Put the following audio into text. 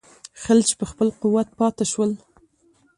خلج په خپل قوت پاته شول.